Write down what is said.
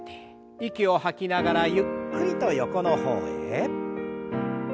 息を吐きながらゆっくりと横の方へ。